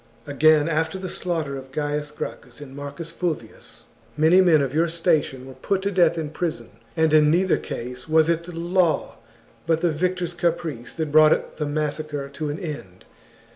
Again, after the slaughter of Gaius Gracchus and Marcus Fulvius, many men of your station were put to death in prison, and in neither case was it the law but the victors' caprice that brought the massacre to an end.